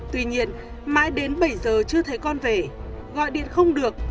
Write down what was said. tuy nhiên mãi đến bảy giờ chưa thấy con về gọi điện không được